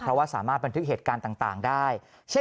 เพราะว่าสามารถบันทึกเหตุการณ์ต่างได้เช่น